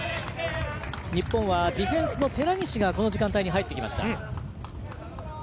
日本はディフェンスの寺西がこの時間帯に入ってきました。